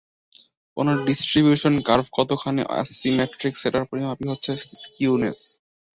কোন distribution curve কতখানি asymmetric সেটার পরিমাপই হচ্ছে স্কিউনেস।